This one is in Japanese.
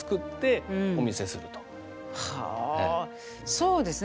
そうですね。